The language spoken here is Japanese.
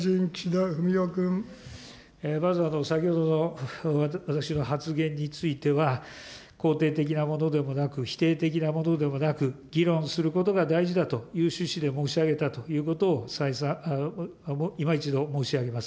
まず、先ほどの私の発言については、肯定的なものでもなく、否定的なものでもなく、議論することが大事だという趣旨で申し上げたということを再三、今一度申し上げます。